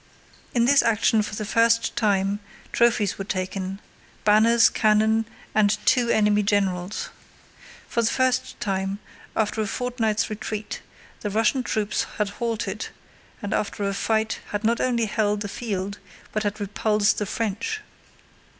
In this action for the first time trophies were taken: banners, cannon, and two enemy generals. For the first time, after a fortnight's retreat, the Russian troops had halted and after a fight had not only held the field but had repulsed the French.